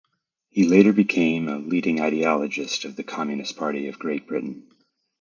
He later became a leading ideologist of the Communist Party of Great Britain.